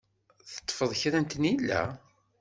Teṭṭfeḍ kra n tnila?